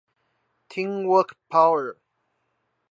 大團體動力